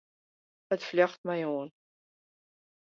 It fljocht my oan.